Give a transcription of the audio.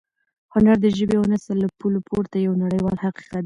هنر د ژبې او نسل له پولو پورته یو نړیوال حقیقت دی.